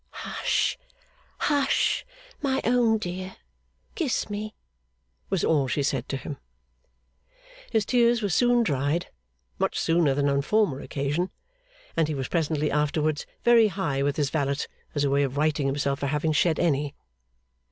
'Hush, hush, my own dear! Kiss me!' was all she said to him. His tears were soon dried, much sooner than on the former occasion; and he was presently afterwards very high with his valet, as a way of righting himself for having shed any.